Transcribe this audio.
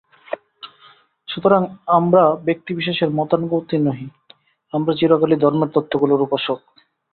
সুতরাং আমরা ব্যক্তিবিশেষের মতানুগামী নহি, আমরা চিরকালই ধর্মের তত্ত্বগুলির উপাসক।